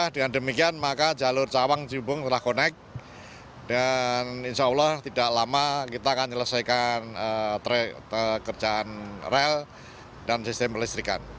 dengan demikian maka jalur cawang cibubur cawang sudah konek dan insya allah tidak lama kita akan menyelesaikan kerjaan rel dan sistem listrikan